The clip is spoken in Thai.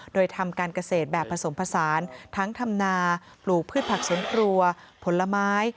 โดยทำการเกษตรแบบผสมผสานทั้งทำนาปลูกพืชผักสวนครัวผลไม้